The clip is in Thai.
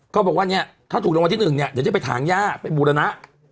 ก็บอกว่าถ้าถูกรางวัลที่หนึ่งจะไปทางย่าไปบุรณะ